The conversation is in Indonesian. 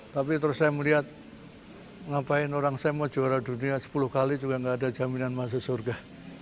tapi terus saya melihat ngapain orang saya mau juara dunia sepuluh kali juga nggak ada jaminan masuk surga